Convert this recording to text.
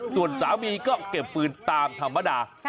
ส่วนสามีก็เก็บฟืนตามธรรมดา